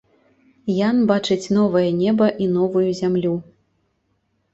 Ян бачыць новае неба і новую зямлю.